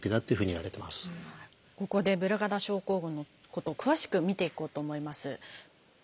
ここでブルガダ症候群のことを詳しく見ていこうと思います。